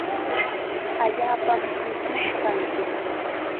Allaapam mikush kanki.